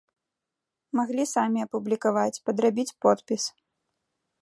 Маглі самі апублікаваць, падрабіць подпіс.